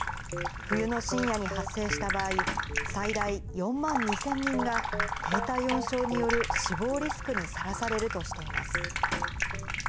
冬の深夜に発生した場合、最大４万２０００人が、低体温症による死亡リスクにさらされるとしています。